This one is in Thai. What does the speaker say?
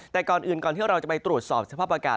แต่ก่อนอื่นก่อนที่เราจะไปตรวจสอบสภาพอากาศ